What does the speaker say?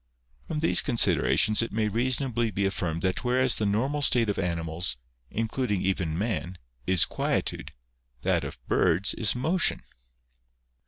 From these considerations it may reasonably be affirmed that whereas the normal state of animals, including even man, is quietude, that of birds is motion.